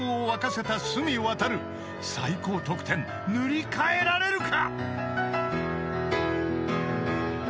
［最高得点塗り替えられるか？］